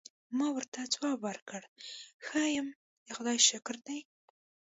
ما ورته ځواب ورکړ: ښه یم، د خدای شکر دی.